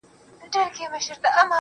نورو ته مي شا کړې ده تاته مخامخ یمه.